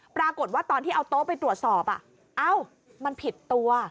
ปรากฏว่าตอนที่เอาโต๊ะไปตรวจสอบเอ้ามันผิดตัว